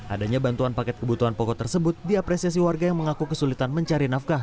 adanya bantuan paket kebutuhan pokok tersebut diapresiasi warga yang mengaku kesulitan mencari nafkah